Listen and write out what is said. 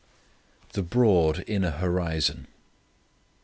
The Broad Inner Horizon.